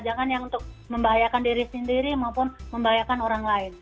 jangan yang untuk membahayakan diri sendiri maupun membahayakan orang lain